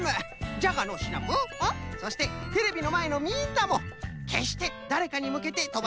じゃがのうシナプーそしてテレビのまえのみんなもけっしてだれかにむけてとばしちゃいかんぞい。